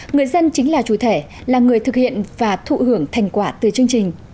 người dân chính là chủ thể là người thực hiện và thụ hưởng thành quả từ chương trình